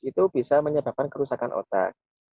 itu bisa menyebabkan kerusakan otak